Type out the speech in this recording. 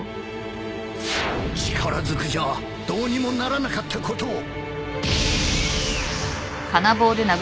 力ずくじゃどうにもならなかったことを